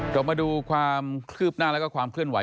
กลับมาดูความคืบหน้าแล้วก็ความเคลื่อนไ